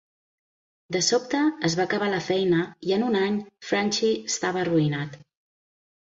De sobte, es va acabar la feina i en un any Franchi estava arruïnat.